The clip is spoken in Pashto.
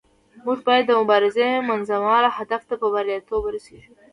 موږ باید د مبارزې منځمهاله هدف ته په بریالیتوب ورسیږو.